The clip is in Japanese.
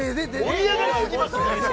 盛り上がりすぎますよ